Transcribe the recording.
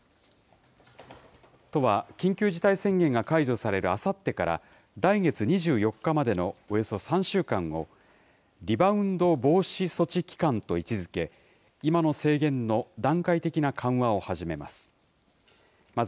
都は、緊急事態宣言が解除されるあさってから、来月２４日までのおよそ３週間を、リバウンド防止措置期間と位置づけ、今の制限の段階的な緩和を始めます。